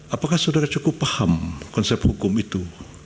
apakah saudara cukup paham konsep hukum itu